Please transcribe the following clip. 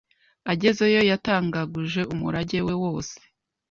Agezeyo yatagaguje umurage we wose,